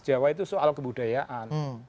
jawa itu soal kebudayaan